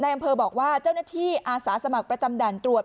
อำเภอบอกว่าเจ้าหน้าที่อาสาสมัครประจำด่านตรวจ